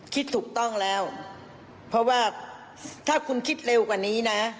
คิดถูกต้องแล้วเพราะว่าถ้าคุณคิดเร็วกว่านี้นะ